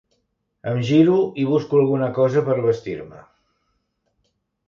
Em giro i busco alguna cosa per vestir-me.